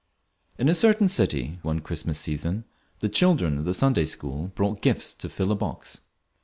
In a certain city one Christmas season the children of the Sunday School brought gifts to fill a box.